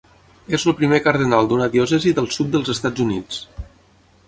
És el primer cardenal d'una diòcesi del sud dels Estats Units.